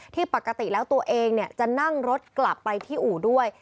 ปกติแล้วตัวเองจะนั่งรถกลับไปที่อู่ด้วย